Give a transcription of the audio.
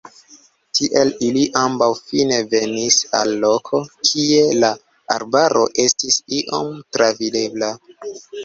Tiel ili ambaŭ fine venis al loko, kie la arbaro estis iom travidebla.